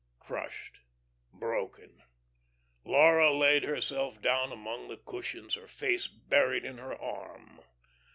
Crushed, broken, Laura laid herself down among the cushions, her face buried in her arm.